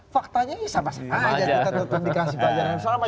faktanya sama sama aja kita tetap dikasih pelajaran yang sama